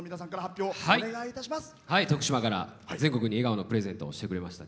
徳島から全国に笑顔のプレゼントをしてくれました